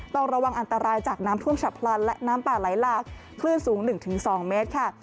ต้องระวังอันตรายจากน้ำท่วมฉับพลันและน้ำป่าไหลหลากคลื่นสูง๑๒เมตรค่ะ